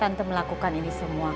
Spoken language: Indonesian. tante melakukan sesuatu yang mudah